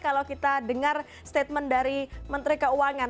kalau kita dengar statement dari menteri keuangan